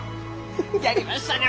やりましたね